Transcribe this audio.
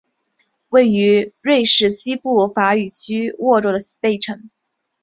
位于瑞士西部法语区沃州的贝城。